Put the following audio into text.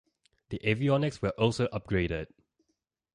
The avionics were also upgraded.